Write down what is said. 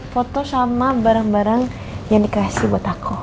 foto sama barang barang yang dikasih buat aku